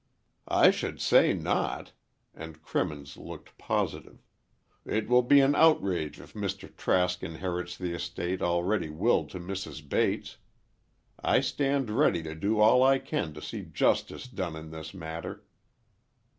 "I should say not!" and Crimmins looked positive. "It will be an outrage if Mr. Trask inherits the estate already willed to Mrs. Bates. I stand ready to do all I can to see justice done in this matter."